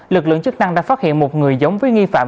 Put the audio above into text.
lực lượng chức năng đã phát hiện một người giống với nghi phạm